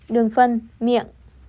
đường phân miệng